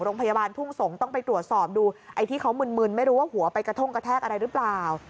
โรงพยาบาลทุ่งสงศ์ต้องไปตรวจสอบดูไอ้ที่เขามึนไม่รู้ว่าหัวไปกระท่งกระแทกอะไรหรือเปล่า